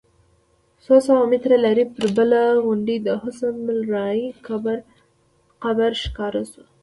څو سوه متره لرې پر بله غونډۍ د حسن الراعي قبر ښکاره شو.